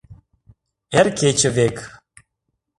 эр кече век.